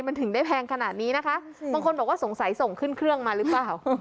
มันถึงได้แพงขนาดนี้นะคะบางคนบอกว่าสงสัยส่งขึ้นเครื่องมาหรือเปล่า